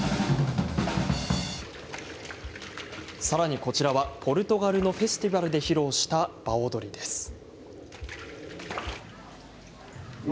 さらに、こちらはポルトガルのフェスティバルで披露した場踊りです。